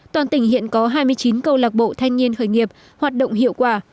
toàn tỉnh hiện có hai mươi chín câu lạc bộ thanh niên khởi nghiệp hoạt động hiệu quả